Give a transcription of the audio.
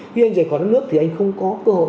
khi anh rời khỏi nước thì anh không có cơ hội